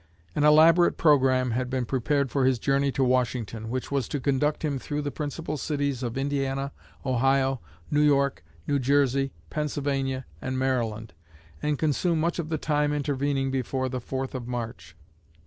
An elaborate programme had been prepared for his journey to Washington, which was to conduct him through the principal cities of Indiana, Ohio, New York, New Jersey, Pennsylvania, and Maryland, and consume much of the time intervening before the 4th of March.